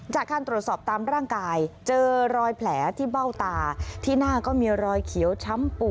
จากขั้นตรวจสอบตามร่างกายเจอรอยแผลที่เบ้าตา